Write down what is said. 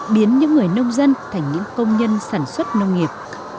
biến những người nông dân thành những công nhân sản xuất nông nghiệp